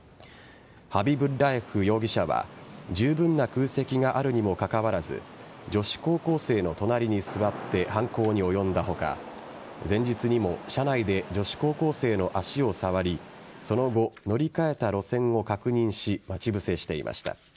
ハビブッラエフ容疑者は十分な空席があるにもかかわらず女子高校生の隣に座って犯行に及んだ他前日にも車内で女子高校生の足を触りその後、乗り換えた路線を確認し待ち伏せしていました。